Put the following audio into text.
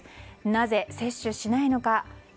なぜ接種しないのか。